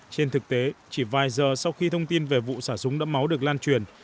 trên thực tế chỉ vài giờ sau khi thông tin về vụ xả súng đẫm máu được lan truyền